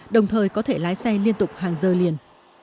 đồng thời có thể lái xe liên tục hàng giờ liền